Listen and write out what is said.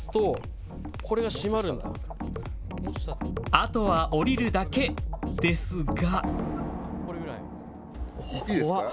あとは降りるだけですが。